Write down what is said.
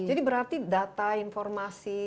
jadi berarti data informasi